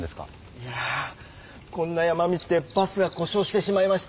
いやこんな山道でバスがこしょうしてしまいまして。